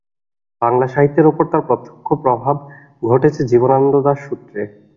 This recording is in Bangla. বাংলাসাহিত্যের ওপর তাঁর প্রত্যক্ষ প্রভাব ঘটেছে জীবনানন্দ দাশ সূত্রে।